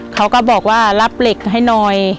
เขาก็บอกว่ารับเหล็กให้หน่อย